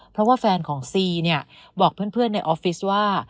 เพราะว่าแฟนของซีเนี่ยบอกเพื่อนในออฟฟิศว่า